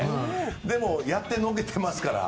でも、やってのけてますから。